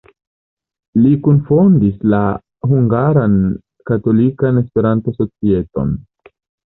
Li kunfondis la Hungaran Katolikan Esperanto-Societon.